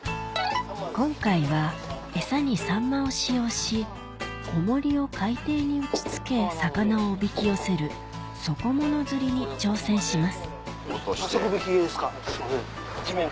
今回はエサにサンマを使用し重りを海底に打ち付け魚をおびき寄せる底物釣りに挑戦します落として。